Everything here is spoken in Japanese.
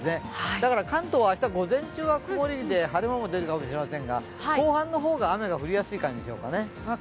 だから関東は明日午前中は曇りで晴れ間も出るかもしれませんが後半の方が雨が降りやすい感じでしょうかね。